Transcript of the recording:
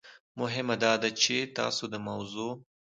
مهم داده چې تاسو د موضوع